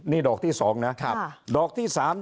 นี่ดอกที่สองนะดอกที่สาม